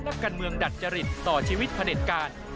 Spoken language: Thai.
นักการเมืองดัดจริตต่อชีวิตพระเด็จการ